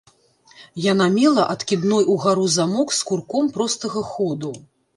Яна мела адкідной угару замок з курком простага ходу.